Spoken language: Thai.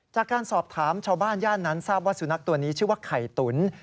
จากการสอบถามชาวบ้านย่านนั้นทราบว่าสุนัขตัวนี้ชื่อว่าไข่ตุ๋น